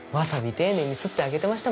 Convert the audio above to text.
丁寧にすってあげてました